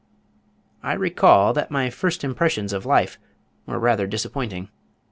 I recall that my first impressions of life were rather disappointing.